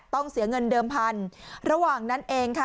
ต้องเสียเงินเดิมพันธุ์ระหว่างนั้นเองค่ะ